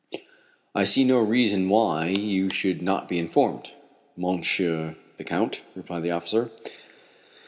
"I see no reason why you should not be informed, Monsieur the Count," replied the officer.